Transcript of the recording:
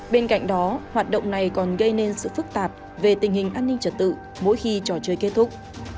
bên cạnh đó hoạt động này còn gây nên sự phức tạp về tình hình an ninh trật tự mỗi khi trò chơi kết thúc